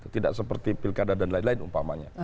tidak seperti pilkada dan lain lain umpamanya